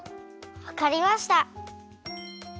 わかりました！